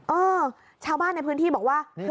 เออชาวบ้านในพื้นที่บอกว่า